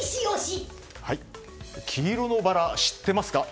黄色のバラ知ってますか？